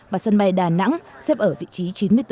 và sân bay đà nẵng xếp ở vị trí chín mươi bốn